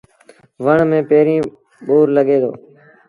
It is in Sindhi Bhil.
وڻ ميݩ پيريݩ ٻور لڳي دو۔